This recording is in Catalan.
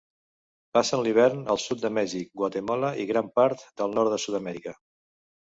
Passen l'hivern al sud de Mèxic, Guatemala i gran part del nord de Sud-amèrica.